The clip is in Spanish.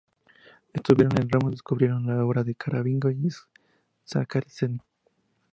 Estuvieron en Roma y descubrieron la obra de Caravaggio y Saraceni.